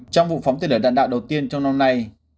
trong vụ phóng tên lửa đạn đạo đầu tiên trong năm nay